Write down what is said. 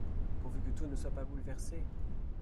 Pourvu que tout ne soit pas bouleversé !